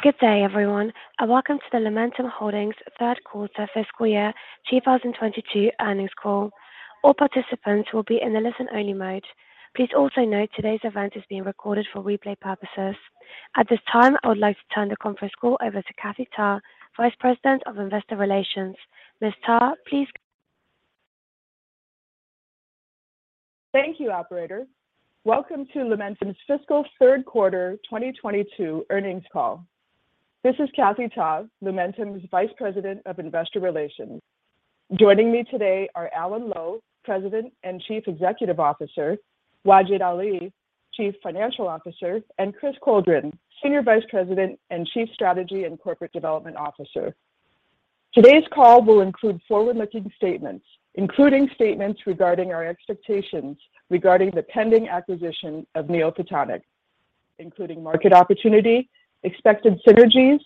Good day, everyone, and welcome to the Lumentum Holdings Q3 Fiscal Year 2022 Earnings Call. All participants will be in a listen-only mode. Please also note today's event is being recorded for replay purposes. At this time, I would like to turn the conference call over to Kathy Ta, Vice President of Investor Relations. Ms. Ta, please- Thank you, operator. Welcome to Lumentum's fiscal Q3 2022 earnings call. This is Kathy Ta, Lumentum's Vice President of Investor Relations. Joining me today are Alan Lowe, President and Chief Executive Officer, Wajid Ali, Chief Financial Officer, and Chris Coldren, Senior Vice President and Chief Strategy and Corporate Development Officer. Today's call will include forward-looking statements, including statements regarding our expectations regarding the pending acquisition of NeoPhotonics, including market opportunity, expected synergies,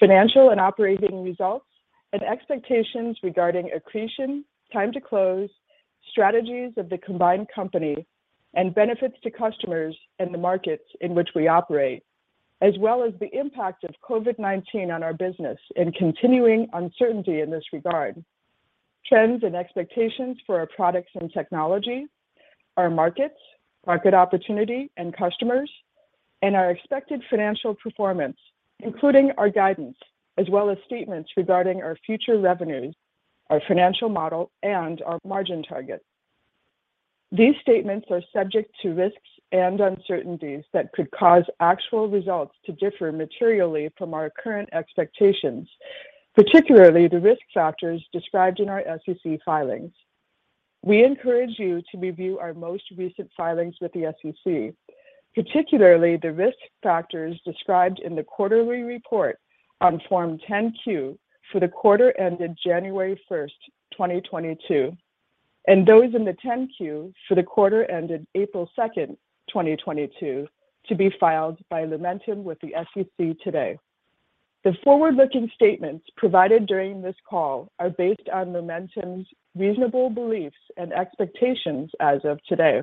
financial and operating results, and expectations regarding accretion, time to close, strategies of the combined company, and benefits to customers in the markets in which we operate, as well as the impact of COVID-19 on our business and continuing uncertainty in this regard, trends and expectations for our products and technology, our markets, market opportunity and customers, and our expected financial performance, including our guidance, as well as statements regarding our future revenues, our financial model, and our margin targets. These statements are subject to risks and uncertainties that could cause actual results to differ materially from our current expectations, particularly the risk factors described in our SEC filings. We encourage you to review our most recent filings with the SEC, particularly the risk factors described in the quarterly report on Form 10-Q for the quarter ended January 1, 2022, and those in the 10-Q for the quarter ended April 2, 2022, to be filed by Lumentum with the SEC today. The forward-looking statements provided during this call are based on Lumentum's reasonable beliefs and expectations as of today.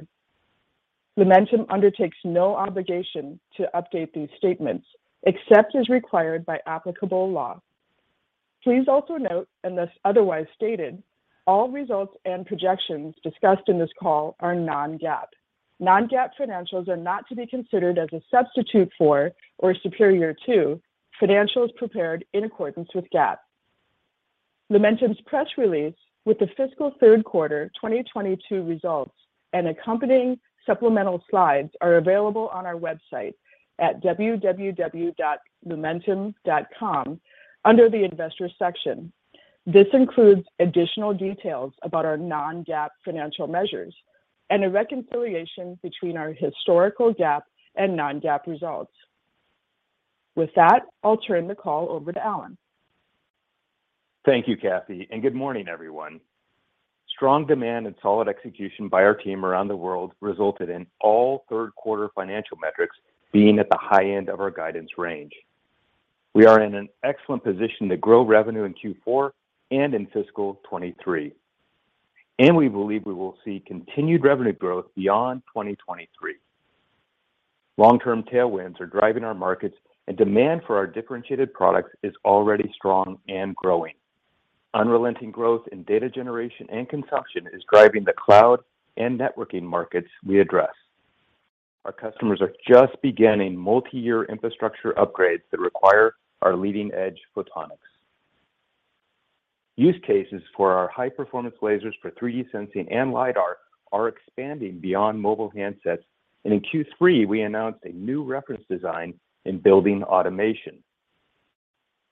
Lumentum undertakes no obligation to update these statements, except as required by applicable law. Please also note, unless otherwise stated, all results and projections discussed in this call are non-GAAP. Non-GAAP financials are not to be considered as a substitute for or superior to financials prepared in accordance with GAAP. Lumentum's press release with the fiscal Q3 2022 results and accompanying supplemental slides are available on our website at www.lumentum.com under the Investors section. This includes additional details about our non-GAAP financial measures and a reconciliation between our historical GAAP and non-GAAP results. With that, I'll turn the call over to Alan. Thank you, Kathy, and good morning, everyone. Strong demand and solid execution by our team around the world resulted in all Q3 financial metrics being at the high end of our guidance range. We are in an excellent position to grow revenue in Q4 and in fiscal 2023, and we believe we will see continued revenue growth beyond 2023. Long-term tailwinds are driving our markets, and demand for our differentiated products is already strong and growing. Unrelenting growth in data generation and consumption is driving the cloud and networking markets we address. Our customers are just beginning multi-year infrastructure upgrades that require our leading-edge photonics. Use cases for our high-performance lasers for 3D sensing and LiDAR are expanding beyond mobile handsets, and in Q3 we announced a new reference design in building automation.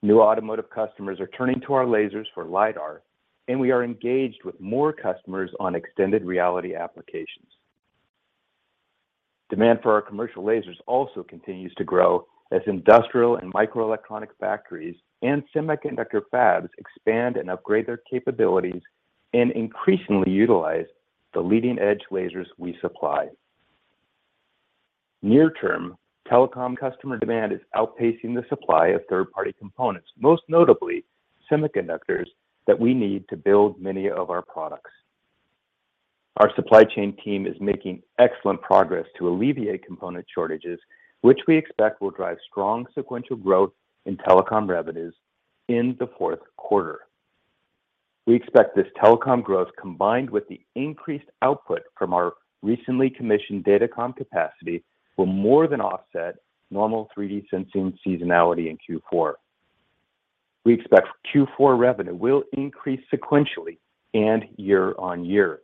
New automotive customers are turning to our lasers for LiDAR, and we are engaged with more customers on extended reality applications. Demand for our commercial lasers also continues to grow as industrial and microelectronic factories and semiconductor fabs expand and upgrade their capabilities and increasingly utilize the leading-edge lasers we supply. Near term, telecom customer demand is outpacing the supply of third-party components, most notably semiconductors that we need to build many of our products. Our supply chain team is making excellent progress to alleviate component shortages, which we expect will drive strong sequential growth in telecom revenues in the Q4. We expect this telecom growth combined with the increased output from our recently commissioned datacom capacity will more than offset normal 3D sensing seasonality in Q4. We expect Q4 revenue will increase sequentially and year-on-year.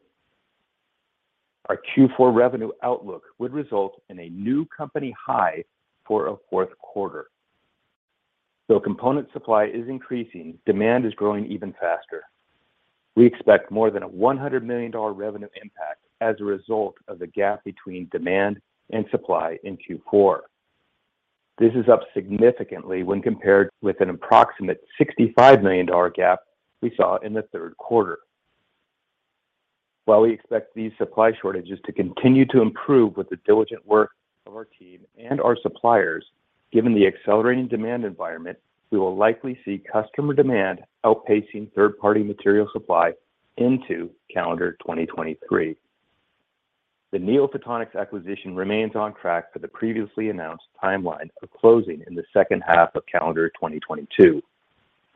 Our Q4 revenue outlook would result in a new company high for a Q4. Though component supply is increasing, demand is growing even faster. We expect more than a $100 million revenue impact as a result of the gap between demand and supply in Q4. This is up significantly when compared with an approximate $65 million gap we saw in the Q3. While we expect these supply shortages to continue to improve with the diligent work of our team and our suppliers, given the accelerating demand environment, we will likely see customer demand outpacing third-party material supply into calendar 2023. The NeoPhotonics acquisition remains on track for the previously announced timeline of closing in the second half of calendar 2022.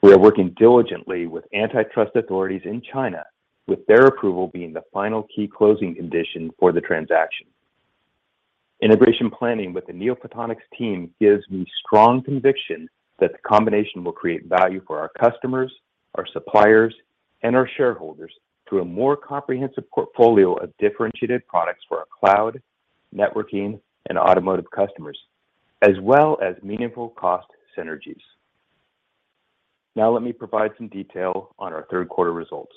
We are working diligently with antitrust authorities in China, with their approval being the final key closing condition for the transaction. Integration planning with the NeoPhotonics team gives me strong conviction that the combination will create value for our customers, our suppliers, and our shareholders through a more comprehensive portfolio of differentiated products for our cloud, networking, and automotive customers, as well as meaningful cost synergies. Now let me provide some detail on our Q3 results.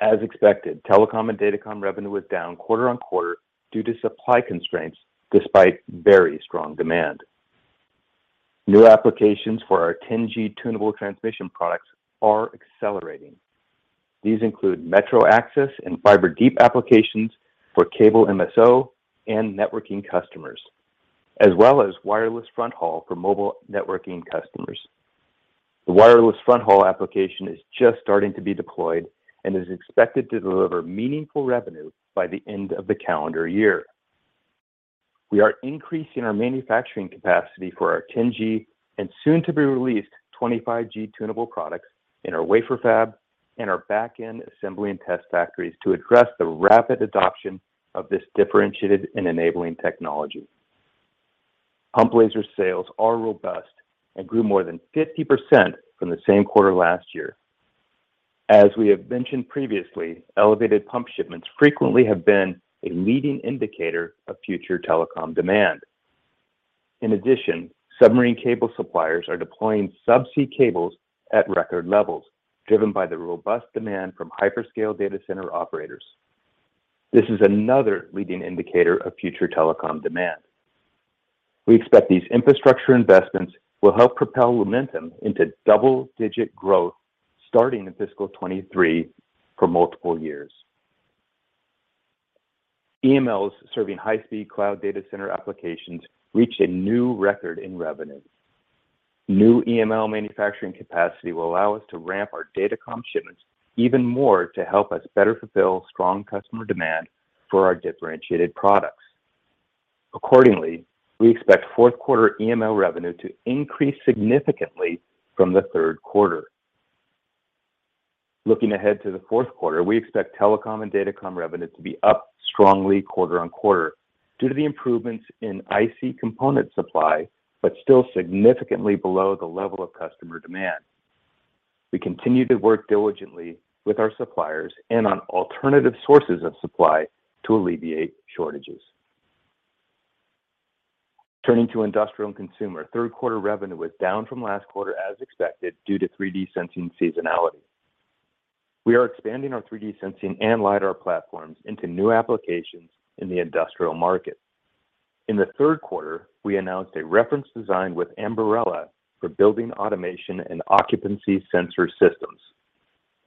As expected, telecom and datacom revenue was down quarter-over-quarter due to supply constraints despite very strong demand. New applications for our 10G tunable transmission products are accelerating. These include metro access and fiber deep applications for cable MSO and networking customers, as well as wireless front haul for mobile networking customers. The wireless front haul application is just starting to be deployed and is expected to deliver meaningful revenue by the end of the calendar year. We are increasing our manufacturing capacity for our 10G and soon to be released 25G tunable products in our wafer fab and our back-end assembly and test factories to address the rapid adoption of this differentiated and enabling technology. Pump laser sales are robust and grew more than 50% from the same quarter last year. As we have mentioned previously, elevated pump shipments frequently have been a leading indicator of future telecom demand. In addition, submarine cable suppliers are deploying sub-sea cables at record levels, driven by the robust demand from hyperscale data center operators. This is another leading indicator of future telecom demand. We expect these infrastructure investments will help propel Lumentum into double-digit growth starting in fiscal 2023 for multiple years. EMLs serving high-speed cloud data center applications reached a new record in revenue. New EML manufacturing capacity will allow us to ramp our datacom shipments even more to help us better fulfill strong customer demand for our differentiated products. Accordingly, we expect fourth quarter EML revenue to increase significantly from the Q3. Looking ahead to the Q4, we expect telecom and datacom revenue to be up strongly quarter-over-quarter due to the improvements in IC component supply, but still significantly below the level of customer demand. We continue to work diligently with our suppliers and on alternative sources of supply to alleviate shortages. Turning to industrial and consumer, Q3 revenue was down from last quarter as expected, due to 3D sensing seasonality. We are expanding our 3D sensing and LiDAR platforms into new applications in the industrial market. In the Q3, we announced a reference design with Ambarella for building automation and occupancy sensor systems.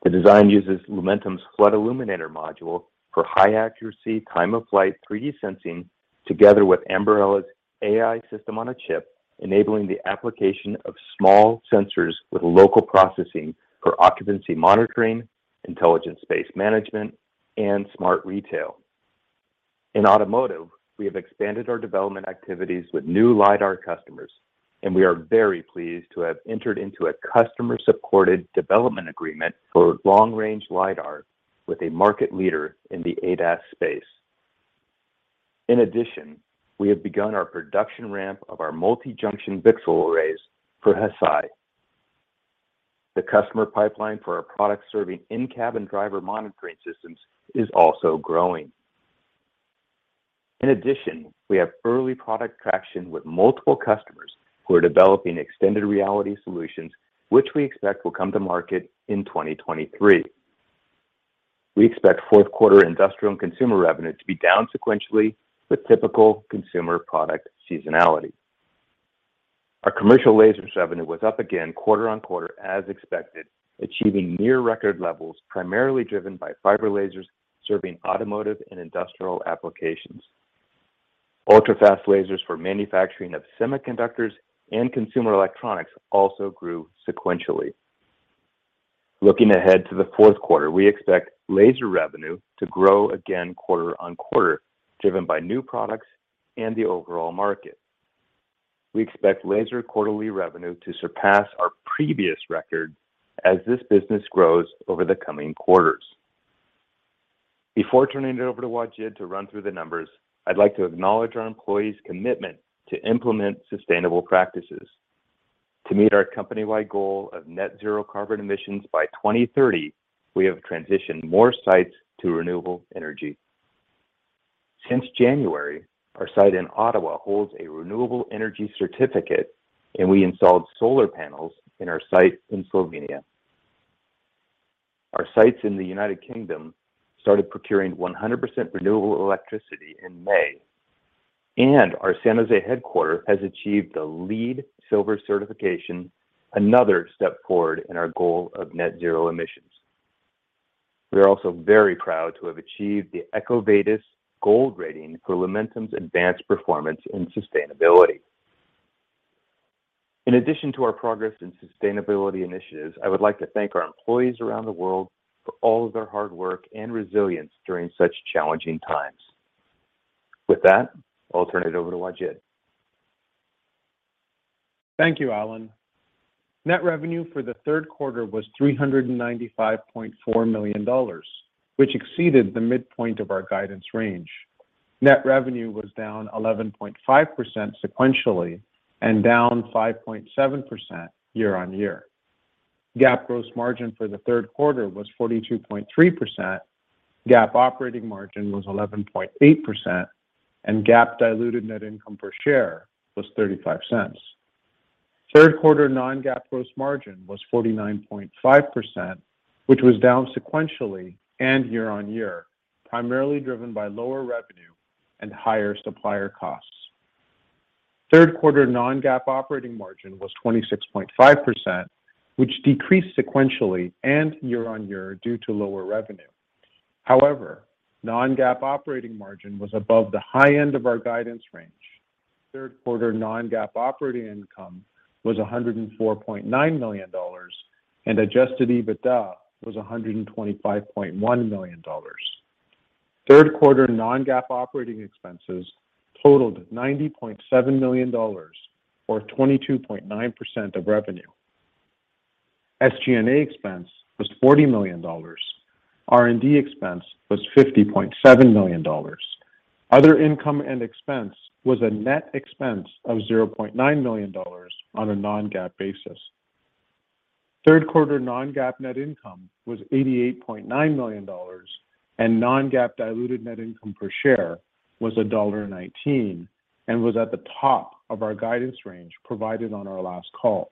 The design uses Lumentum's flood illuminator module for high accuracy, time-of-flight 3D sensing together with Ambarella's AI system on a chip, enabling the application of small sensors with local processing for occupancy monitoring, intelligent space management, and smart retail. In automotive, we have expanded our development activities with new LiDAR customers, and we are very pleased to have entered into a customer-supported development agreement for long-range LiDAR with a market leader in the ADAS space. In addition, we have begun our production ramp of our multi-junction VCSEL arrays for Hesai. The customer pipeline for our product serving in-cabin driver monitoring systems is also growing. In addition, we have early product traction with multiple customers who are developing extended reality solutions, which we expect will come to market in 2023. We expect Q4 industrial and consumer revenue to be down sequentially with typical consumer product seasonality. Our commercial lasers revenue was up again quarter-over-quarter as expected, achieving near record levels, primarily driven by fiber lasers serving automotive and industrial applications. Ultrafast lasers for manufacturing of semiconductors and consumer electronics also grew sequentially. Looking ahead to the Q4, we expect laser revenue to grow again quarter-over-quarter, driven by new products and the overall market. We expect laser quarterly revenue to surpass our previous record as this business grows over the coming quarters. Before turning it over to Wajid to run through the numbers, I'd like to acknowledge our employees' commitment to implement sustainable practices. To meet our company-wide goal of net zero carbon emissions by 2030, we have transitioned more sites to renewable energy. Since January, our site in Ottawa holds a renewable energy certificate, and we installed solar panels in our site in Slovenia. Our sites in the United Kingdom started procuring 100% renewable electricity in May, and our San José headquarters has achieved the LEED Silver certification, another step forward in our goal of net zero emissions. We are also very proud to have achieved the EcoVadis gold rating for Lumentum's advanced performance in sustainability. In addition to our progress and sustainability initiatives, I would like to thank our employees around the world for all of their hard work and resilience during such challenging times. With that, I'll turn it over to Wajid. Thank you, Alan. Net revenue for the Q3 was $395.4 million, which exceeded the midpoint of our guidance range. Net revenue was down 11.5% sequentially and down 5.7% year-over-year. GAAP gross margin for the Q3 was 42.3%. GAAP operating margin was 11.8%, and GAAP diluted net income per share was $0.35. Q3 non-GAAP gross margin was 49.5%, which was down sequentially and year-over-year, primarily driven by lower revenue and higher supplier costs. Q3 non-GAAP operating margin was 26.5%, which decreased sequentially and year-over-year due to lower revenue. However, non-GAAP operating margin was above the high end of our guidance range. Q3 non-GAAP operating income was $104.9 million, and adjusted EBITDA was $125.1 million. Q3 non-GAAP operating expenses totaled $90.7 million, or 22.9% of revenue. SG&A expense was $40 million. R&D expense was $50.7 million. Other income and expense was a net expense of $0.9 million on a non-GAAP basis. Q3 non-GAAP net income was $88.9 million, and non-GAAP diluted net income per share was $1.19 and was at the top of our guidance range provided on our last call.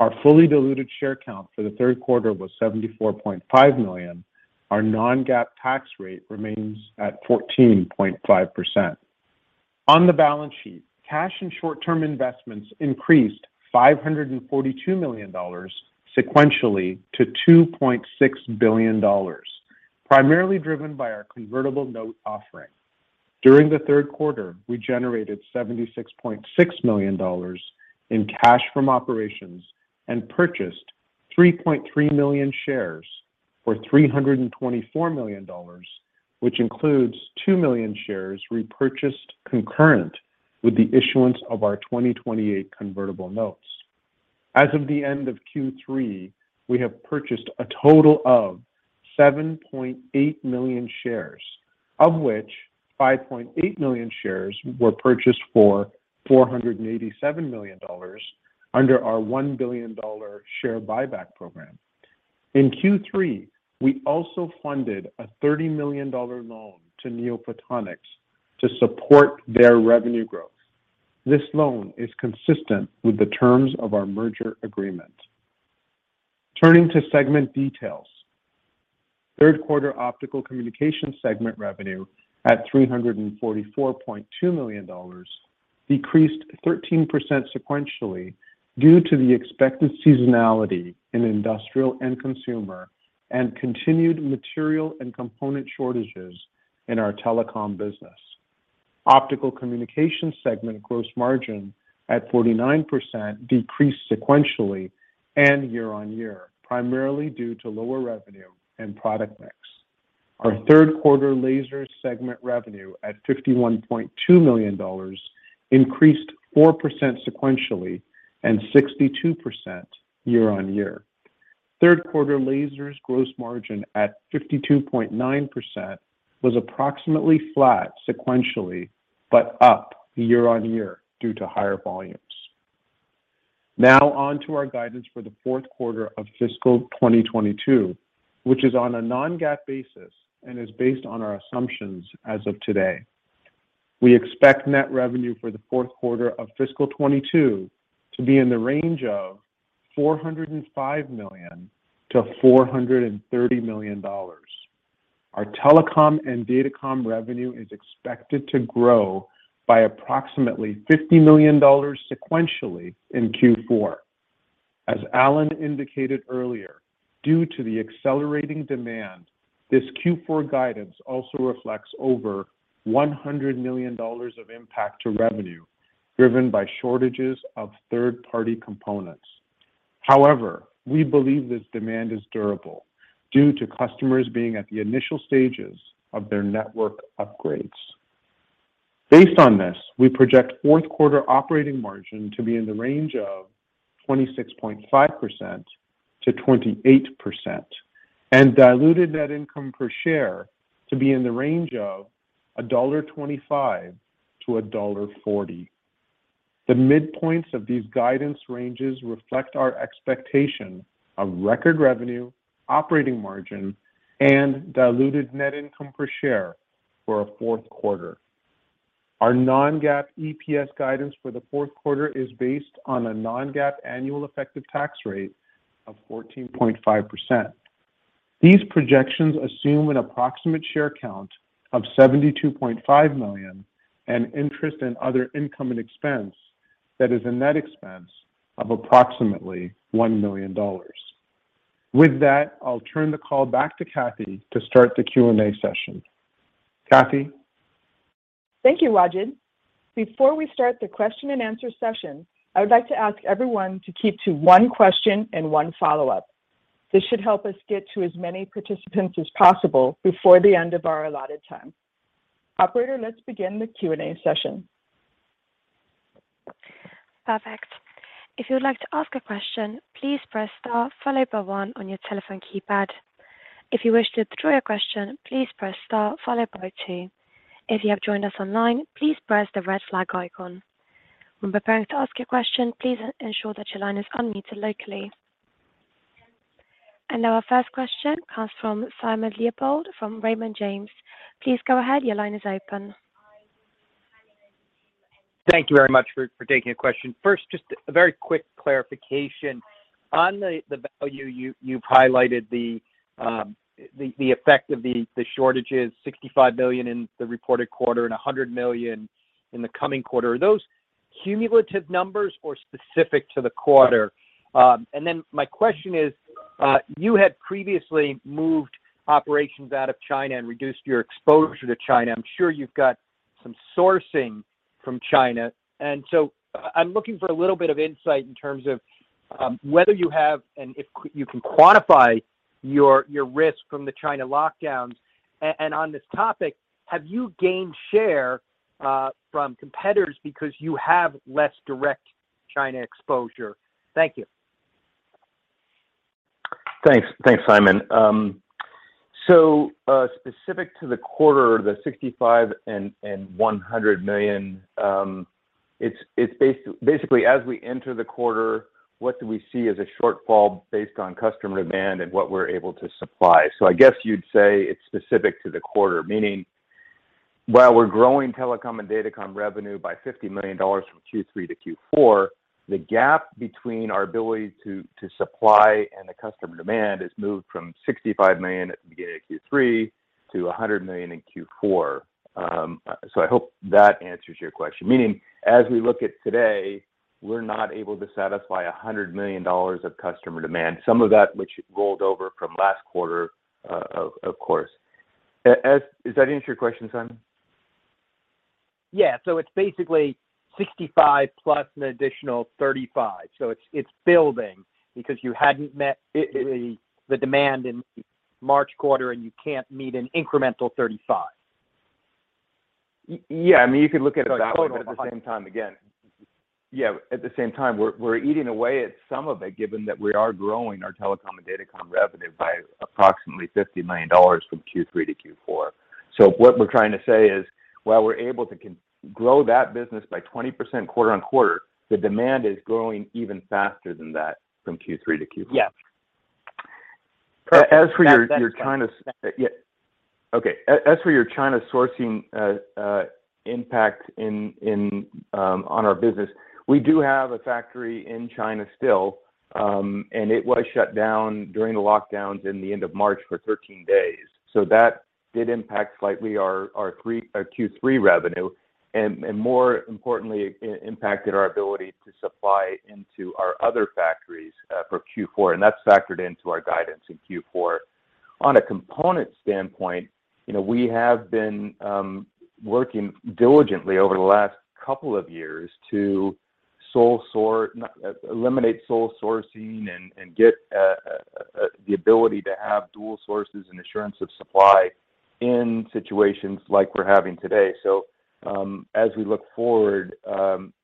Our fully diluted share count for the Q3 was 74.5 million. Our non-GAAP tax rate remains at 14.5%. On the balance sheet, cash and short-term investments increased $542 million sequentially to $2.6 billion, primarily driven by our convertible note offering. During the Q3, we generated $76.6 million in cash from operations and purchased 3.3 million shares for $324 million, which includes 2 million shares repurchased concurrent with the issuance of our 2028 convertible notes. As of the end of Q3, we have purchased a total of 7.8 million shares, of which 5.8 million shares were purchased for $487 million under our $1 billion share buyback program. In Q3, we also funded a $30 million loan to NeoPhotonics to support their revenue growth. This loan is consistent with the terms of our merger agreement. Turning to segment details. Q3 optical communication segment revenue at $344.2 million decreased 13% sequentially due to the expected seasonality in industrial and consumer and continued material and component shortages in our telecom business. Optical communication segment gross margin at 49% decreased sequentially and year-over-year, primarily due to lower revenue and product mix. Our Q3 lasers segment revenue at $51.2 million increased 4% sequentially and 62% year-over-year. Q3 lasers gross margin at 52.9% was approximately flat sequentially, but up year-over-year due to higher volumes. Now on to our guidance for the Q4 of fiscal 2022, which is on a non-GAAP basis and is based on our assumptions as of today. We expect net revenue for the Q4 of fiscal 2022 to be in the range of $405 million-$430 million. Our telecom and datacom revenue is expected to grow by approximately $50 million sequentially in Q4. As Alan indicated earlier, due to the accelerating demand, this Q4 guidance also reflects over $100 million of impact to revenue, driven by shortages of third-party components. However, we believe this demand is durable due to customers being at the initial stages of their network upgrades. Based on this, we project Q4 operating margin to be in the range of 26.5%-28% and diluted net income per share to be in the range of $1.25-$1.40. The midpoints of these guidance ranges reflect our expectation of record revenue, operating margin, and diluted net income per share for our Q4. Our non-GAAP EPS guidance for the Q4 is based on a non-GAAP annual effective tax rate of 14.5%. These projections assume an approximate share count of 72.5 million and interest and other income and expense that is a net expense of approximately $1 million. With that, I'll turn the call back to Kathy to start the Q&A session. Kathy? Thank you, Wajid. Before we start the question and answer session, I would like to ask everyone to keep to one question and one follow-up. This should help us get to as many participants as possible before the end of our allotted time. Operator, let's begin the Q&A session. Perfect. If you would like to ask a question, please press star followed by one on your telephone keypad. If you wish to withdraw your question, please press star followed by two. If you have joined us online, please press the red flag icon. When preparing to ask your question, please ensure that your line is unmuted locally. Now our first question comes from Simon Leopold from Raymond James. Please go ahead. Your line is open. Thank you very much for taking a question. First, just a very quick clarification. On the value you've highlighted, the effect of the shortages, $65 million in the reported quarter and $100 million in the coming quarter. Are those cumulative numbers or specific to the quarter? Then my question is, you had previously moved operations out of China and reduced your exposure to China. I'm sure you've got some sourcing from China. I'm looking for a little bit of insight in terms of, whether you have and if you can quantify your risk from the China lockdowns. On this topic, have you gained share from competitors because you have less direct China exposure? Thank you. Thanks. Thanks, Simon. Specific to the quarter, the $65 million and $100 million, it's basically, as we enter the quarter, what do we see as a shortfall based on customer demand and what we're able to supply? I guess you'd say it's specific to the quarter, meaning while we're growing telecom and datacom revenue by $50 million from Q3-Q4, the gap between our ability to supply and the customer demand has moved from $65 million at the beginning of Q3 to $100 million in Q4. I hope that answers your question. Meaning, as we look at today, we're not able to satisfy $100 million of customer demand, some of that which rolled over from last quarter, of course. Does that answer your question, Simon? Yeah. It's basically 65 plus an additional 35. It's building because you hadn't met the demand in March quarter, and you can't meet an incremental 35. Yeah, I mean, you could look at it that way. It's sort of a 100. At the same time, we're eating away at some of it, given that we are growing our telecom and datacom revenue by approximately $50 million from Q3 to Q4. What we're trying to say is, while we're able to grow that business by 20% quarter-over-quarter, the demand is growing even faster than that from Q3 to Q4. Yeah. As for your China s- That makes sense. As for your China sourcing impact on our business, we do have a factory in China still, and it was shut down during the lockdowns in the end of March for 13 days. That did impact slightly our Q3 revenue, and more importantly, impacted our ability to supply into our other factories for Q4, and that's factored into our guidance in Q4. On a component standpoint, you know, we have been working diligently over the last couple of years to eliminate sole sourcing and get the ability to have dual sources and assurance of supply in situations like we're having today. As we look forward,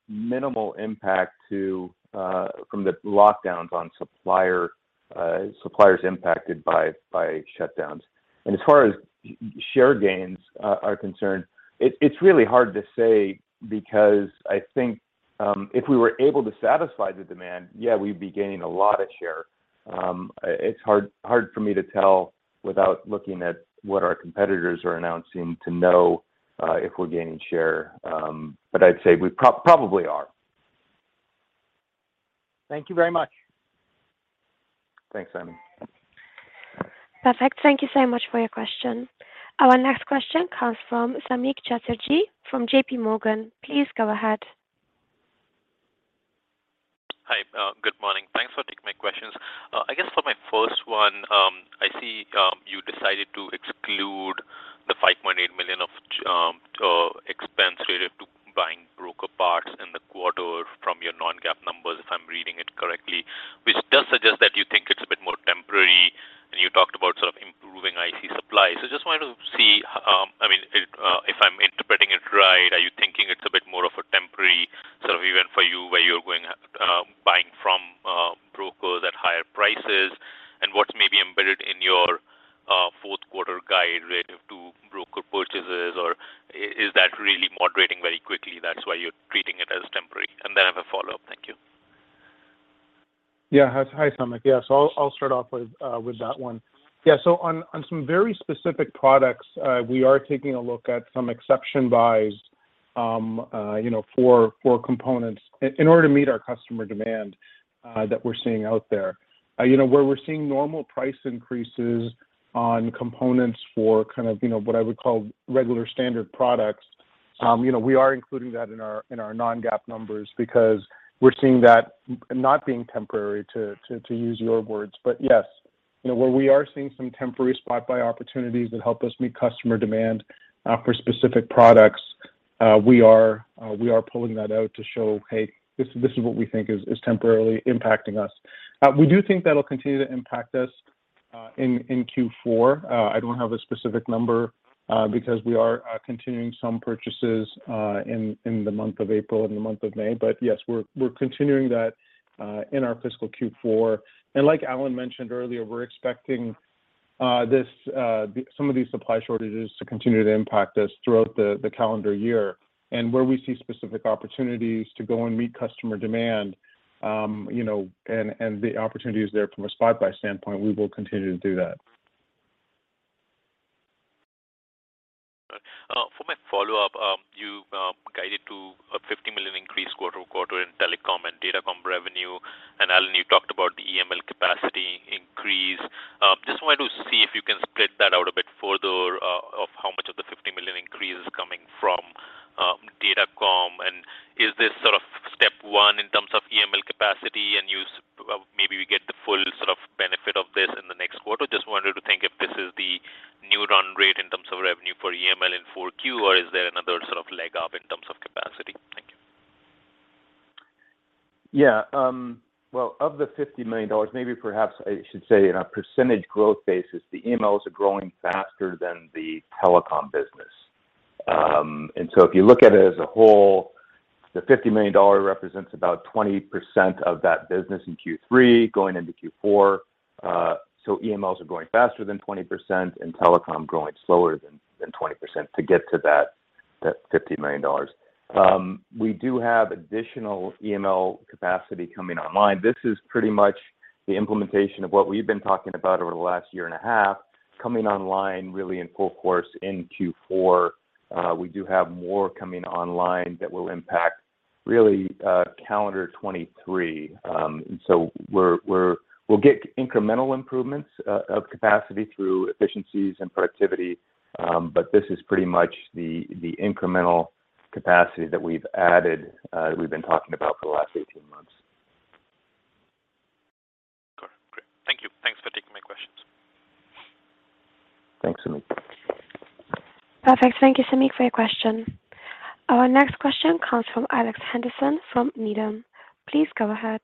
minimal impact from the lockdowns on suppliers impacted by shutdowns. As far as share gains are concerned, it's really hard to say because I think if we were able to satisfy the demand, yeah, we'd be gaining a lot of share. It's hard for me to tell without looking at what our competitors are announcing to know if we're gaining share, but I'd say we probably are. Thank you very much. Thanks, Simon. Perfect. Thank you so much for your question. Our next question comes from Samik Chatterjee from JP Morgan. Please go ahead. Hi. Good morning. Thanks for taking my questions. I guess for my first one, I see you decided to exclude the $5.8 million of expense related to buying broker parts in the quarter from your non-GAAP numbers, if I'm reading it correctly, which does suggest that you think it's a bit more temporary, and you talked about sort of improving IC supply. Just wanted to see, I mean, if I'm interpreting it right, are you thinking it's a bit more of a temporary sort of event for you, where you're going buying from brokers at higher prices? And what's maybe embedded in your Q4 guide related to broker purchases, or is that really moderating very quickly, that's why you're treating it as temporary? And then I have a follow-up. Thank you. Hi, Samik. I'll start off with that one. On some very specific products, we are taking a look at some exception buys, you know, for components in order to meet our customer demand that we're seeing out there. You know, where we're seeing normal price increases on components for kind of, you know, what I would call regular standard products, you know, we are including that in our non-GAAP numbers because we're seeing that not being temporary, to use your words. Yes, we You know, where we are seeing some temporary spot buy opportunities that help us meet customer demand for specific products, we are pulling that out to show, hey, this is what we think is temporarily impacting us. We do think that'll continue to impact us in Q4. I don't have a specific number because we are continuing some purchases in the month of April and the month of May. Yes, we're continuing that in our fiscal Q4. Like Alan mentioned earlier, we're expecting some of these supply shortages to continue to impact us throughout the calendar year. Where we see specific opportunities to go and meet customer demand, you know, and the opportunities there from a spot buy standpoint, we will continue to do that. For my follow-up, you guided to a $50 million increase quarter-over-quarter in telecom and datacom revenue. Alan, you talked about the EML capacity increase. Just wanted to see if you can split that out a bit further, of how much of the $50 million increase is coming from datacom. Is this sort of step one in terms of EML capacity and maybe we get the full sort of benefit of this in the next quarter? Just wondered to think if this is the new run rate in terms of revenue for EML in 4Q, or is there another sort of leg up in terms of capacity? Thank you. Well, of the $50 million, maybe perhaps I should say in a percentage growth basis, the EMLs are growing faster than the telecom business. If you look at it as a whole, the $50 million represents about 20% of that business in Q3 going into Q4. EMLs are growing faster than 20%, and telecom growing slower than 20% to get to that $50 million. We do have additional EML capacity coming online. This is pretty much the implementation of what we've been talking about over the last year and a half coming online really in full course in Q4. We do have more coming online that will impact really calendar 2023. We'll get incremental improvements of capacity through efficiencies and productivity, but this is pretty much the incremental capacity that we've added that we've been talking about for the last 18 months. Okay. Great. Thank you. Thanks for taking my questions. Thanks, Samik. Perfect. Thank you, Samik, for your question. Our next question comes from Alex Henderson from Needham. Please go ahead.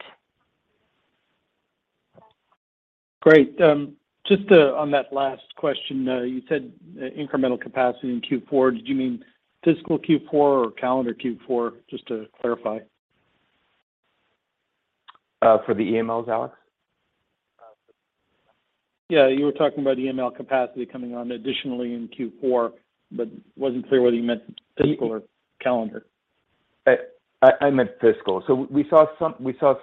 Great. On that last question, you said incremental capacity in Q4. Did you mean fiscal Q4 or calendar Q4? Just to clarify. For the EMLs, Alex? Yeah. You were talking about EML capacity coming on additionally in Q4, but wasn't clear whether you meant fiscal or calendar. I meant fiscal. We saw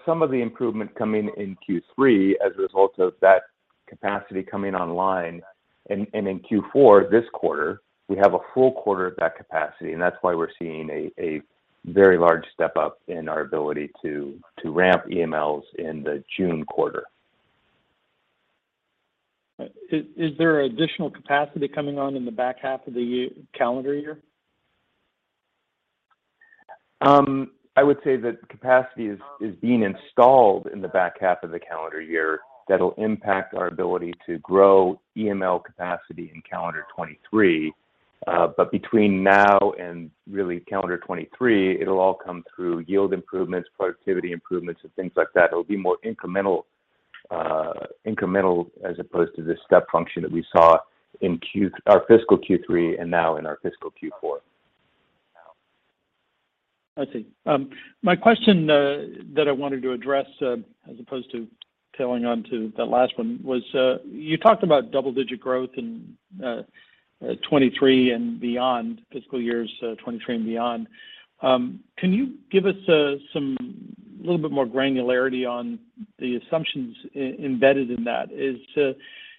some of the improvement coming in Q3 as a result of that capacity coming online. In Q4 this quarter, we have a full quarter of that capacity, and that's why we're seeing a very large step-up in our ability to ramp EMLs in the June quarter. Is there additional capacity coming on in the back half of the calendar year? I would say that capacity is being installed in the back half of the calendar year that'll impact our ability to grow EML capacity in calendar 2023. Between now and really calendar 2023, it'll all come through yield improvements, productivity improvements, and things like that. It'll be more incremental as opposed to the step function that we saw in our fiscal Q3 and now in our fiscal Q4. I see. My question that I wanted to address as opposed to tacking on to that last one was you talked about double-digit growth in 2023 and beyond, fiscal years 2023 and beyond. Can you give us some little bit more granularity on the assumptions embedded in that?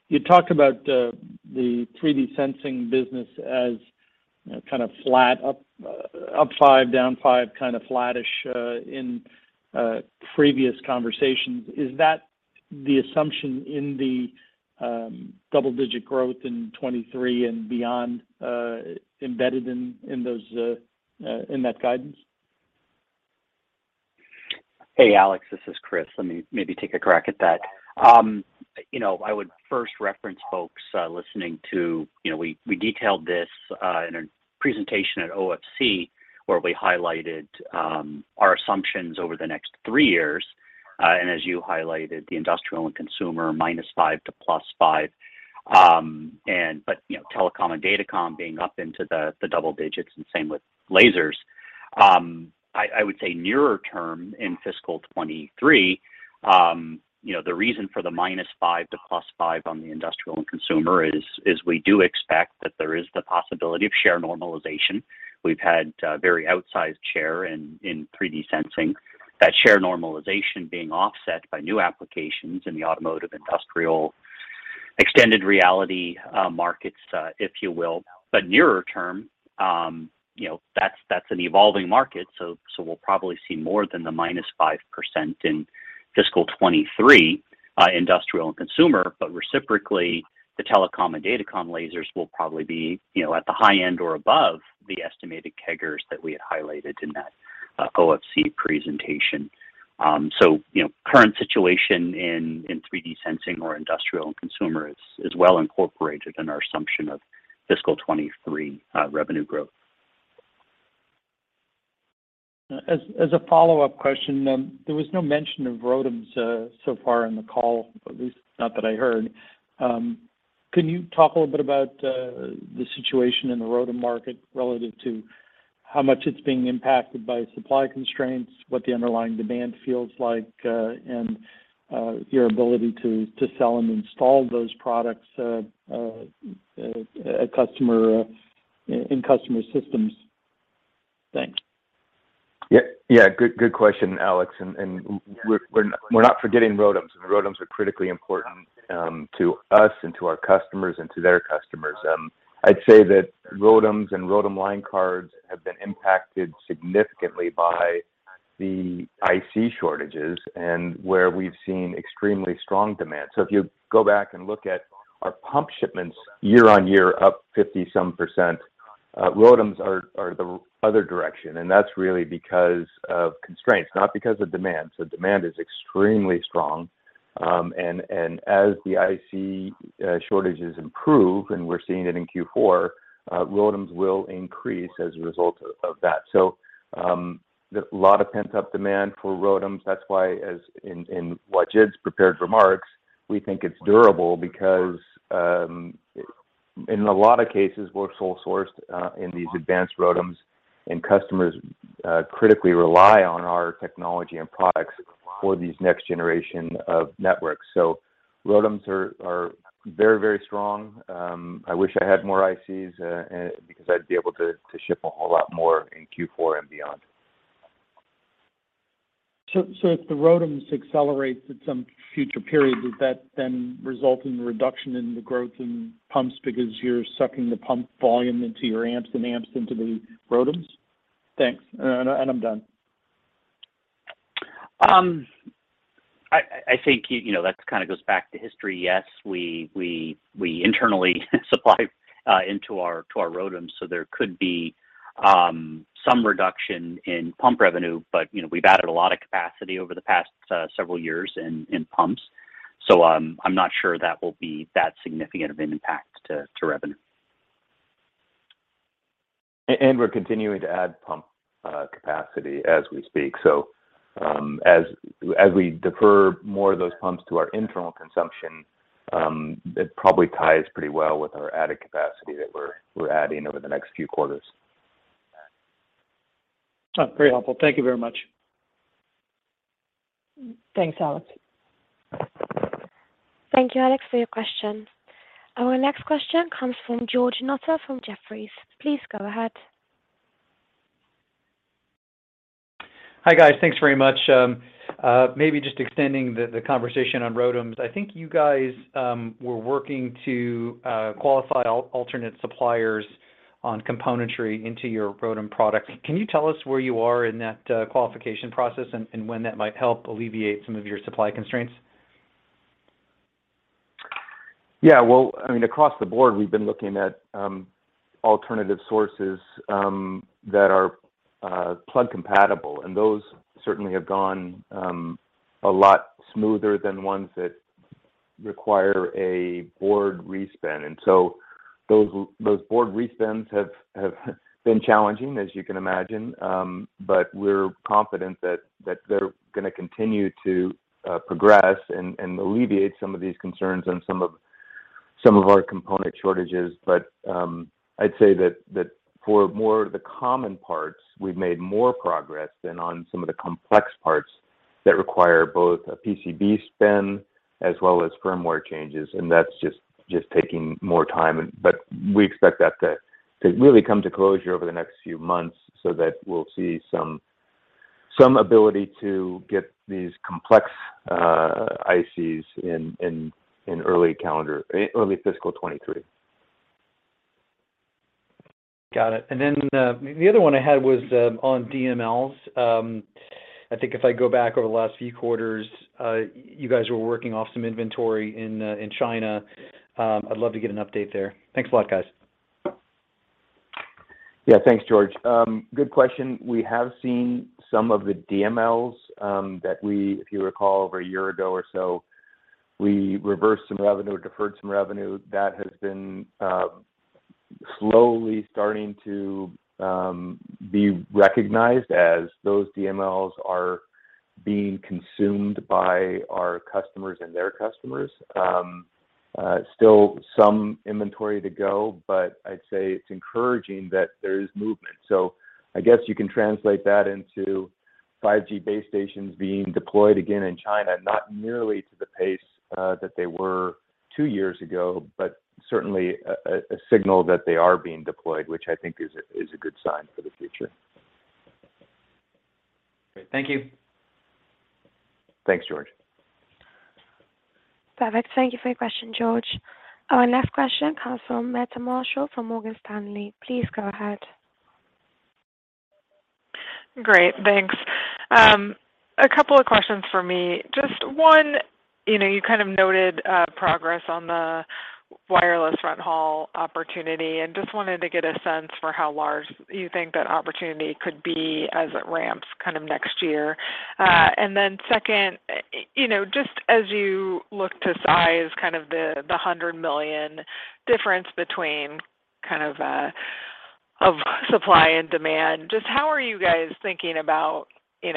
You talked about the 3D sensing business as, you know, kind of flat, up 5, down 5, kind of flattish in previous conversations. Is that the assumption in the double-digit growth in 2023 and beyond embedded in that guidance? Hey, Alex, this is Chris. Let me maybe take a crack at that. You know, I would first reference folks listening to, you know, we detailed this in a presentation at OFC where we highlighted our assumptions over the next three years. As you highlighted, the industrial and consumer -5% to +5%. You know, telecom and datacom being up into the double digits and same with lasers. I would say nearer term in fiscal 2023, you know, the reason for the -5% to +5% on the industrial and consumer is we do expect that there is the possibility of share normalization. We've had very outsized share in 3D sensing. That share normalization being offset by new applications in the automotive, industrial, extended reality markets, if you will. Nearer term, you know, that's an evolving market. We'll probably see more than the -5% in fiscal 2023, industrial and consumer. Reciprocally, the telecom and datacom lasers will probably be, you know, at the high end or above the estimated CAGRs that we had highlighted in that, OFC presentation. You know, current situation in 3D sensing or industrial and consumer is well incorporated in our assumption of fiscal 2023 revenue growth. As a follow-up question, there was no mention of ROADMs so far in the call, at least not that I heard. Can you talk a little bit about the situation in the ROADM market relative to how much it's being impacted by supply constraints, what the underlying demand feels like, and your ability to sell and install those products in customer systems? Thanks. Good question, Alex. We're not forgetting ROADMs. ROADMs are critically important to us, and to our customers, and to their customers. I'd say that ROADMs and ROADM line cards have been impacted significantly by the IC shortages and where we've seen extremely strong demand. If you go back and look at our pump shipments year-over-year up 50-some%, ROADMs are the other direction, and that's really because of constraints, not because of demand. Demand is extremely strong. As the IC shortages improve, and we're seeing it in Q4, ROADMs will increase as a result of that. A lot of pent-up demand for ROADMs, that's why, as in Wajid's prepared remarks, we think it's durable because, in a lot of cases, we're sole sourced in these advanced ROADMs, and customers critically rely on our technology and products for these next generation of networks. ROADMs are very strong. I wish I had more ICs because I'd be able to ship a whole lot more in Q4 and beyond. If the ROADMs accelerates at some future period, does that then result in a reduction in the growth in pumps because you're sucking the pump volume into your amps and amps into the ROADMs? Thanks. I'm done. I think you know that kinda goes back to history. Yes, we internally supply into our ROADMs, so there could be some reduction in pump revenue, but you know we've added a lot of capacity over the past several years in pumps. I'm not sure that will be that significant of an impact to revenue. We're continuing to add pump capacity as we speak. As we defer more of those pumps to our internal consumption, it probably ties pretty well with our added capacity that we're adding over the next few quarters. Oh, very helpful. Thank you very much. Thanks, Alex. Thank you, Alex, for your question. Our next question comes from George Notter from Jefferies. Please go ahead. Hi, guys. Thanks very much. Maybe just extending the conversation on ROADMs. I think you guys were working to qualify alternate suppliers on componentry into your ROADM product. Can you tell us where you are in that qualification process and when that might help alleviate some of your supply constraints? Yeah. Well, I mean, across the board, we've been looking at alternative sources that are plug compatible, and those certainly have gone a lot smoother than ones that require a board re-spin. Those board re-spins have been challenging, as you can imagine. We're confident that they're gonna continue to progress and alleviate some of these concerns on some of our component shortages. I'd say that for more of the common parts, we've made more progress than on some of the complex parts that require both a PCB spin as well as firmware changes, and that's just taking more time. We expect that to really come to closure over the next few months so that we'll see some ability to get these complex ICs in early fiscal 2023. Got it. The other one I had was on DMLs. I think if I go back over the last few quarters, you guys were working off some inventory in China. I'd love to get an update there. Thanks a lot, guys. Yeah. Thanks, George. Good question. We have seen some of the DMLs that we, if you recall, over a year ago or so, we reversed some revenue, deferred some revenue. That has been slowly starting to be recognized as those DMLs are being consumed by our customers and their customers. Still some inventory to go, but I'd say it's encouraging that there is movement. I guess you can translate that into 5G base stations being deployed again in China, not nearly to the pace that they were two years ago, but certainly a signal that they are being deployed, which I think is a good sign for the future. Great. Thank you. Thanks, George. Perfect. Thank you for your question, George. Our next question comes from Meta Marshall from Morgan Stanley. Please go ahead. Great. Thanks. A couple of questions for me. Just one, you know, you kind of noted, progress on the Wireless fronthaul opportunity and just wanted to get a sense for how large you think that opportunity could be as it ramps kind of next year. Second, you know, just as you look to size kind of the $100 million difference between kind of supply and demand, just how are you guys thinking about, you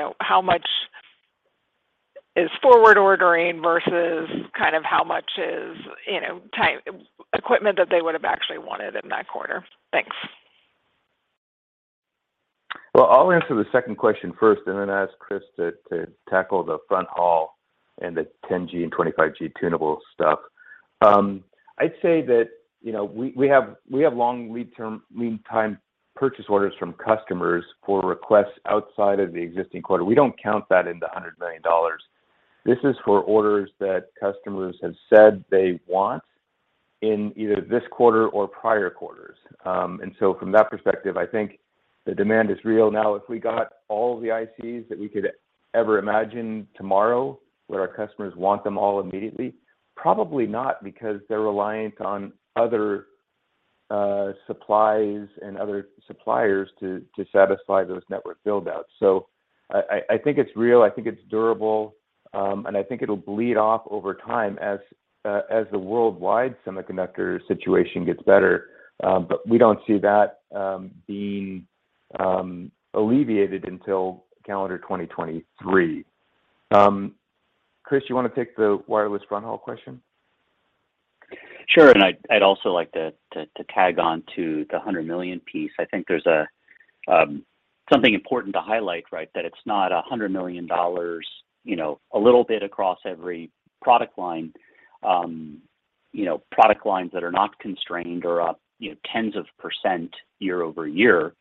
know, how much is forward ordering versus kind of how much is, you know, equipment that they would have actually wanted in that quarter? Thanks. I'll answer the second question first and then ask Chris to tackle the fronthaul and the 10G and 25G tunable stuff. I'd say that, you know, we have long lead time purchase orders from customers for requests outside of the existing quarter. We don't count that in the $100 million. This is for orders that customers have said they want in either this quarter or prior quarters. From that perspective, I think the demand is real. Now, if we got all the ICs that we could ever imagine tomorrow, would our customers want them all immediately? Probably not, because they're reliant on other supplies and other suppliers to satisfy those network build-outs. I think it's real. I think it's durable, and I think it'll bleed off over time as the worldwide semiconductor situation gets better. But we don't see that being alleviated until calendar 2023. Chris, you want to take the wireless fronthaul question? Sure. I'd also like to tag on to the $100 million piece. I think there's a something important to highlight, right? That it's not a $100 million, you know, a little bit across every product line. You know, product lines that are not constrained are up, you know, tens of % year-over-year.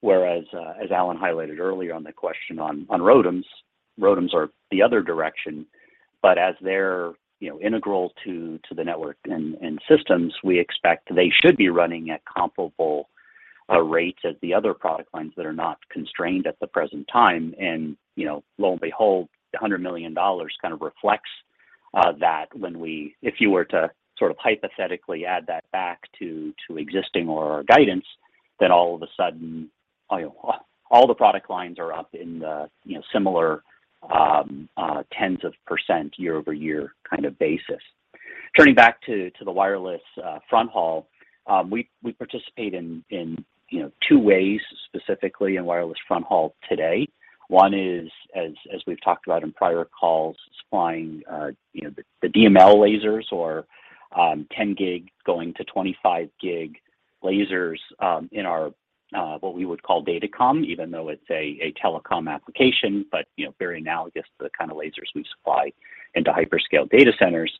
Whereas, as Alan highlighted earlier on the question on ROADMs are the other direction. As they're, you know, integral to the network and systems, we expect they should be running at comparable rates as the other product lines that are not constrained at the present time. You know, lo and behold, the $100 million kind of reflects that if you were to sort of hypothetically add that back to existing or guidance, then all of a sudden, you know, all the product lines are up in the, you know, similar tens of % year-over-year kind of basis. Turning back to the wireless front haul, we participate in, you know, two ways specifically in wireless front haul today. One is, as we've talked about in prior calls, supplying, you know, the DML lasers or 10 gig going to 25 gig lasers in our what we would call datacom, even though it's a telecom application. You know, very analogous to the kind of lasers we supply into hyperscale data centers.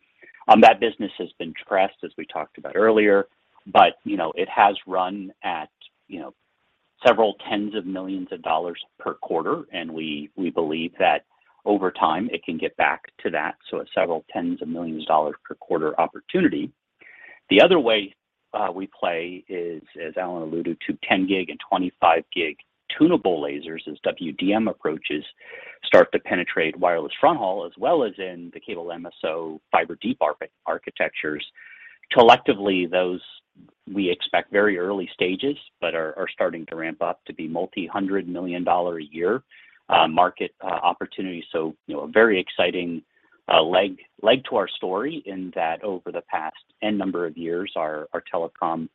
That business has been depressed, as we talked about earlier, but, you know, it has run at, you know, $ several tens of millions per quarter, and we believe that over time it can get back to that. It's $ several tens of millions per quarter opportunity. The other way we play is, as Alan alluded to, 10 gig and 25 gig tunable lasers as WDM approaches start to penetrate wireless front haul, as well as in the cable MSO fiber deep architectures. Collectively, those we expect very early stages, but are starting to ramp up to be $ multi-hundred million a year market opportunity. You know, a very exciting leg to our story in that over the past a number of years, our telecom